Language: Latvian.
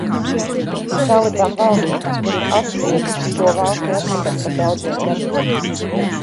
Taliban valdība ir atsviedusi šo valsti atpakaļ par daudziem gadiem.